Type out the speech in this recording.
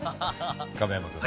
亀山君。